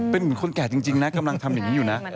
เป็นเหมือนคนแก่จริงนะกำลังทำอย่างนี้อยู่นะ